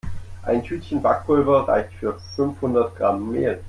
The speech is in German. Ein Tütchen Backpulver reicht für fünfhundert Gramm Mehl.